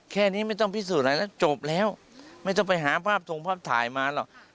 แค่นี้ไม่ต้องพิสูจน์อะไรแล้วจบแล้วไม่ต้องไปหาภาพทงภาพถ่ายมาหรอก